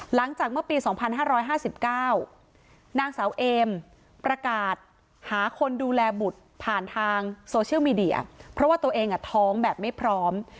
หลังจากเมื่อปี๒๕๕๙นางสาวเอมประกาศหาคนดูแลบุตรผ่านทางโซเชียลมีเดียเพราะว่าตัวเองท้องแบบไม่พร้อม